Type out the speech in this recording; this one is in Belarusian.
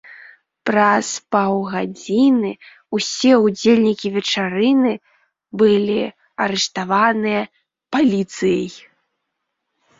Праз паўгадзіны ўсе ўдзельнікі вечарыны былі арыштаваныя паліцыяй.